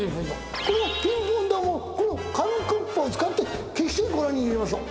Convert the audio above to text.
このピンポン球をこの紙コップを使って消してご覧にいれましょう。